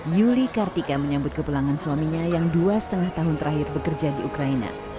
yuli kartika menyambut kepulangan suaminya yang dua lima tahun terakhir bekerja di ukraina